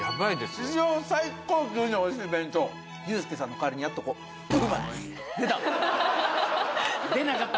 史上最高級においしい弁当ユースケさんの代わりにやっとこ出た！